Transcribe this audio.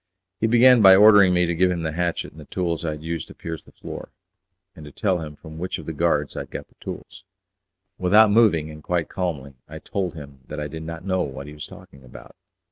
He began by ordering me to give him the hatchet and the tools I had used to pierce the floor, and to tell him from which of the guards I had got the tools. Without moving, and quite calmly, I told him that I did not know what he was talking about.